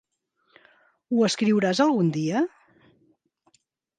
¿Ho escriuràs, algun dia?